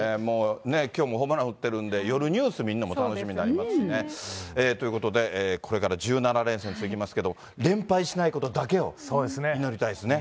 きょうもホームラン打ってるんで、夜ニュース見るのも楽しみになりますしね。ということで、これから１７連戦続きますけど、連敗しないことだけを祈りたいですね。